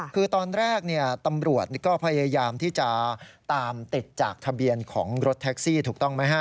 คือตอนแรกตำรวจก็พยายามที่จะตามติดจากทะเบียนของรถแท็กซี่ถูกต้องไหมฮะ